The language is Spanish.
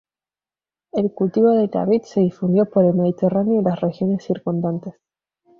El cultivo de la vid se difundió por el Mediterráneo y las regiones circundantes.